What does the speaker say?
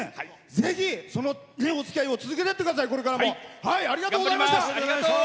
ぜひ、そのおつきあいを続けてってください。